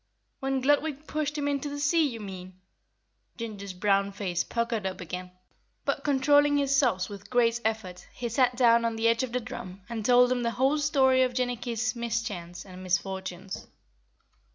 "When Gludwig pushed him into the sea, you mean?" Ginger's brown face puckered up again, but, controlling his sobs with a great effort, he sat down on the edge of the drum and told them the whole story of Jinnicky's mischance and misfortunes.